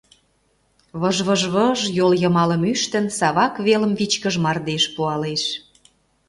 Выж-выж-выж йол йымалым ӱштын, Савак велым вичкыж мардеж пуалеш.